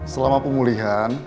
pada saat pemulihan